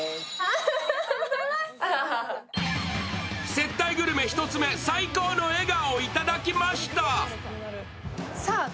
接待グルメ１つ目、最高の笑顔いただきました！